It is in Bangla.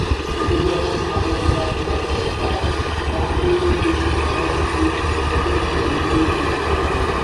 কিন্তু যখনই হারিয়ে যাক না কেন, তার অব্যবহিত পরেই একটি নতুন প্রতিলিপি লিখিত হয়েছিল।